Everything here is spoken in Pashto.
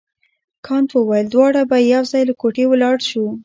کانت وویل دواړه به یو ځای له کوټې ولاړ شو.